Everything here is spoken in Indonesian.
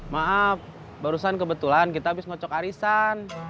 maaf barusan kebetulan kita habis ngocok arisan